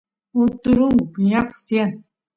uturungu piñakus tiyan